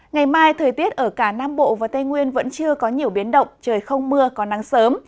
ngày mai thời tiết ở cả nam bộ và tây nguyên vẫn chưa có nhiều biến động trời không mưa có nắng sớm